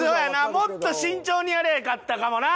もっと慎重にやりゃよかったかもな。